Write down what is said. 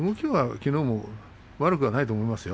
隆の勝は悪くないと思いますよ。